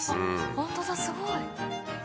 ホントだすごい！